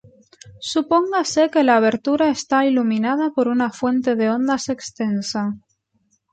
Supóngase que la abertura está iluminada por una fuente de ondas extensa.